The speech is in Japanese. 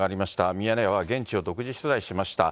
ミヤネ屋は現地を独自取材しました。